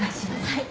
はい。